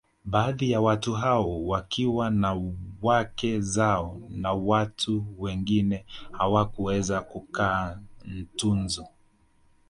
Baadhi ya watu hao wakiwa na wake zao na watu wengine hawakuweza kukaa Ntunzu